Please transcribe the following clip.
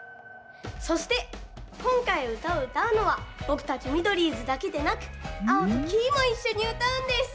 そしてこんかいうたをうたうのはぼくたちミドリーズだけでなくアオとキイもいっしょにうたうんです。